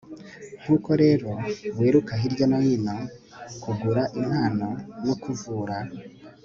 nkuko rero wiruka hirya no hino, kugura impano no kuvura